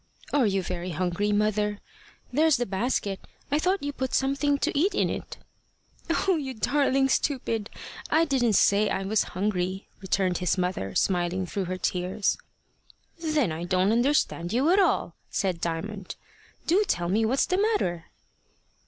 "Are you very hungry, mother? There's the basket. I thought you put something to eat in it." "O you darling stupid! I didn't say I was hungry," returned his mother, smiling through her tears. "Then I don't understand you at all," said Diamond. "Do tell me what's the matter."